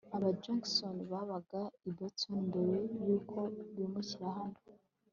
aba jackons babaga i boston mbere yuko bimukira hano